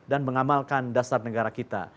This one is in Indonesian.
dan mengamalkan dasar negara kita